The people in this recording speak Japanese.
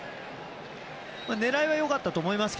狙いは良かったと思います。